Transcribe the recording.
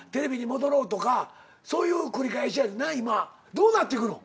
どうなっていくの？